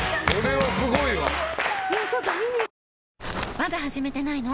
まだ始めてないの？